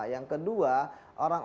yang kedua orang